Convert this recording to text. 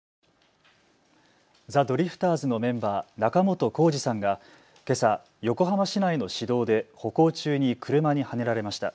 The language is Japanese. ザ・ドリフターズのメンバー、仲本工事さんがけさ横浜市内の市道で歩行中に車にはねられました。